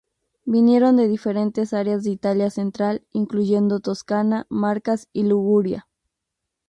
Vinieron de diferentes áreas de Italia central, incluyendo Toscana, Marcas y Liguria.